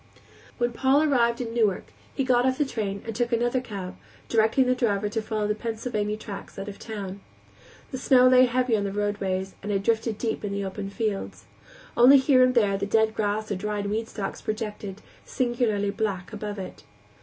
When Paul arrived in Newark he got off the train and took another cab, directing the driver to follow the Pennsylvania tracks out of the town. The snow lay heavy on the roadways and had drifted deep in the open fields. Only here and there the dead grass or dried weed stalks projected, singularly black, above it.